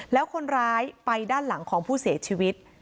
แล้วคนร้ายไปด้านหลังของผู้เสียชีวิต